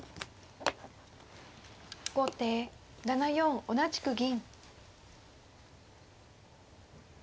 後手７四同じく銀。